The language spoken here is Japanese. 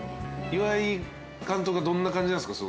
岩井監督はどんな感じなんすか？